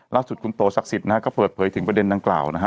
ล่าสุดคุณโตศักดิ์สิทธิ์นะฮะก็เปิดเผยถึงประเด็นดังกล่าวนะฮะ